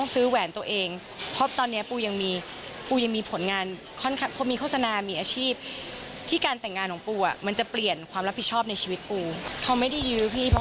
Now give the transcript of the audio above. ส่วนคราวที่เมฆขอแต่งงานปูปรายยาก็ตอบแบบไม่อยากจะกันไว้แล้วค่ะ